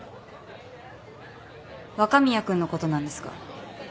若宮君のことなんですが。